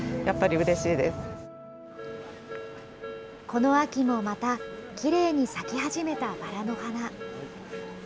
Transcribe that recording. この秋もまた、きれいに咲き始めたバラの花。